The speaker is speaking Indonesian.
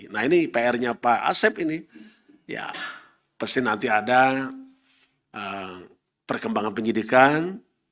nah ini pr nya pak asep ini ya pasti nanti ada perkembangan penyidikan